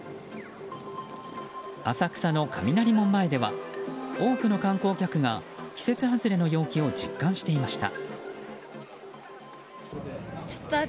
浅草の雷門前では多くの観光客が季節外れの陽気を実感していました。